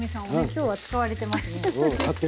今日は使われてますね。